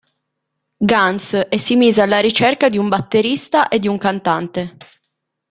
Guns, e si mise alla ricerca di un batterista e di un cantante.